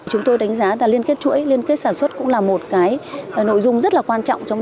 chúng tôi đánh giá liên kết chuỗi liên kết sản xuất cũng là một nội dung rất quan trọng